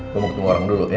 gue mau ketemu orang dulu ya